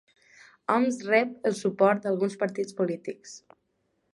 Homs rep el suport d'alguns partits polítics